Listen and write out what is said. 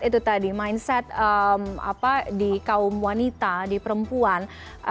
itu tadi mindset di kaum wanita di perempuan